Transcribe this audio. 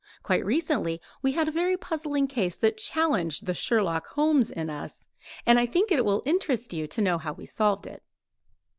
Quite recently we had a very puzzling case that challenged the Sherlock Holmes in us, and I think it will interest you to know how we solved it.